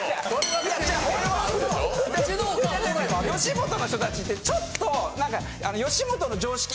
吉本の人達ってちょっと何か。